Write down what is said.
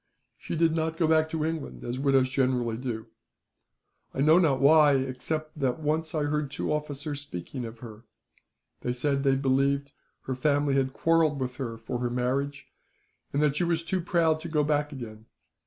She did not go back to England, as widows generally do. I know not why, except that I once heard two officers speaking of her. They said that they believed her family had quarrelled with her, for her marriage, and that she was too proud to go back again.